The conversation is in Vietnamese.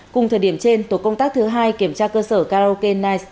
cùng thời điểm trên tổ công tác thứ hai kiểm tra cơ sở karaoke nige